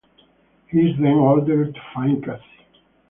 He is then ordered to find Cassie.